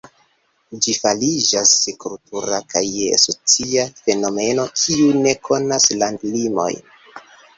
Ĝi fariĝas kultura kaj socia fenomeno kiu ne konas landlimojn.